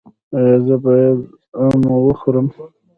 ایا زه باید ام وخورم؟